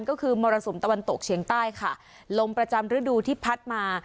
ก็คือมรสุมตะวันตกเฉียงใต้ค่ะลมประจำฤดูที่พัดมา